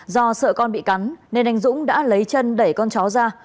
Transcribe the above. do sợ con bị cắn nên anh dũng đã lấy chân đẩy con chó ra